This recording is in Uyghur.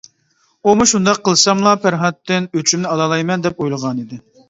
ئۇمۇ شۇنداق قىلساملا پەرھاتتىن ئۆچۈمنى ئالالايمەن دەپ ئويلىغانىدى.